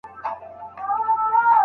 تا یو بې ځایه کار کړی و.